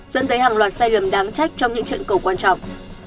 dẫn tới hàng loạt sai lầm đáng trách trong những trận cầu quan trọng